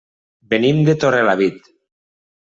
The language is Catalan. Venim de Torrelavit.